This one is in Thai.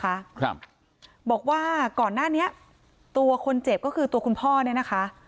ครับบอกว่าก่อนหน้านี้ตัวคนเจ็บก็คือตัวคุณพ่อเนี่ยนะคะ